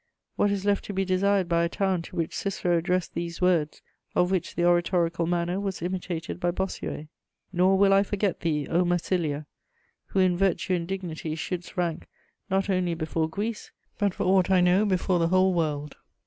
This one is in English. What is left to be desired by a town to which Cicero addressed these words, of which the oratorical manner was imitated by Bossuet: "Nor will I forget thee, O Massilia, who in virtue and dignity shouldst rank not only before Greece, but for aught I know before the whole world!"